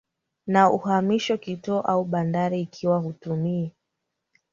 na uhamisho kituo au bandari Ikiwa hutumia